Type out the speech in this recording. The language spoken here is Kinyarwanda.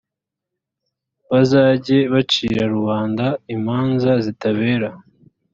bazajye bacira rubanda imanza zitabera.